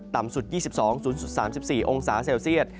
ต่ำสุด๒๒๐๓๔องศาเซลเซียต